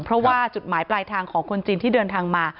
เพราะว่าจุดหมายปลายทางของคนจีนที่เดินทางมา